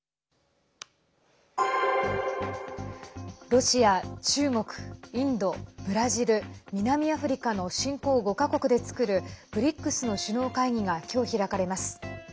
ロシア、中国、インドブラジル、南アフリカの新興５か国で作るＢＲＩＣＳの首脳会議がきょう開かれます。